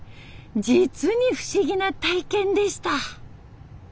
実に不思議な体験でした。